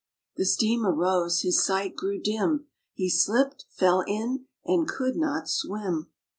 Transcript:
The steam arose, his sight grew dim. He slipped, fell in, and could not swim.